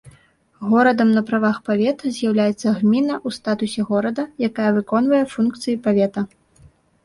Горадам на правах павета з'яўляецца гміна ў статусе горада, якая выконвае функцыі павета.